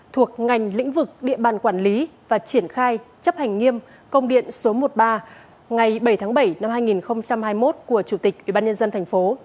thuộc ngành lĩnh vực địa bàn quản lý và triển khai chấp hành nghiêm công điện số một mươi ba ngày bảy tháng bảy năm hai nghìn hai mươi một của chủ tịch ủy ban nhân dân thành phố